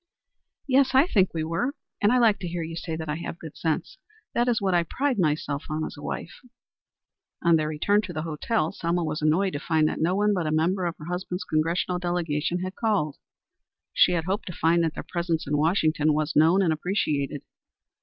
"Yes, I think we were. And I like to hear you say I have good sense. That is what I pride myself on as a wife." On their return to the hotel Selma was annoyed to find that no one but a member of her husband's Congressional delegation had called. She had hoped to find that their presence in Washington was known and appreciated.